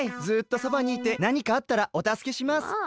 ずっとそばにいてなにかあったらおたすけします。